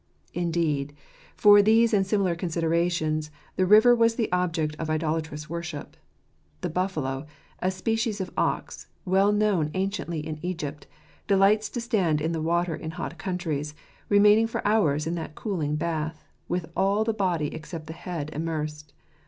Indeed, for these and similar considerations the river was the object of idolatrous worship. The buffalo, a species of ox, well known anciently in Egypt, delights to stand in the water in hot countries, remaining for hours in that cooling bath, with all the body, except the head, immersed.